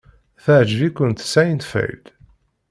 Teɛjeb-ikent Seinfeld?